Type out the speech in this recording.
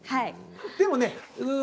でもねうん